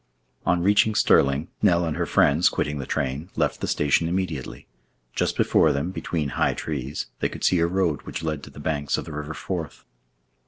On reaching Stirling, Nell and her friends, quitting the train, left the station immediately. Just before them, between high trees, they could see a road which led to the banks of the river Forth.